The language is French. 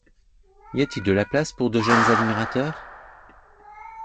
Y a-t-il de la place pour deux jeunes admirateurs?